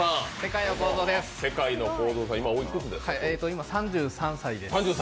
今、３３歳です。